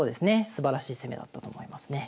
すばらしい攻めだったと思いますね。